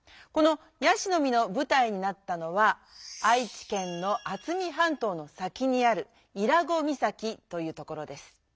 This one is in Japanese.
この「椰子の実」のぶたいになったのは愛知県の渥美半島の先にある伊良湖岬というところです。